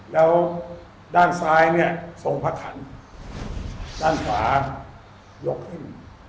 และด้านซ้ายส่งผักขันด้านขวายกเล่น